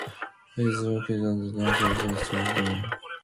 It is located on the north side of Gran Canaria island.